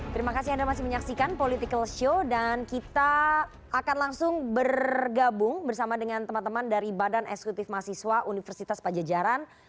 terima kasih anda masih menyaksikan political show dan kita akan langsung bergabung bersama dengan teman teman dari badan eksekutif mahasiswa universitas pajajaran